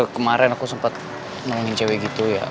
kemaren aku sempat nungguin cewek gitu ya